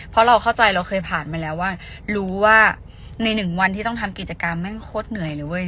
เพราะเราเข้าใจเราเคยผ่านมาแล้วว่ารู้ว่าในหนึ่งวันที่ต้องทำกิจกรรมแม่งโคตรเหนื่อยเลยเว้ย